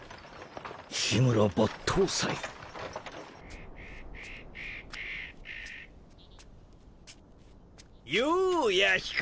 緋村抜刀斎よう弥彦。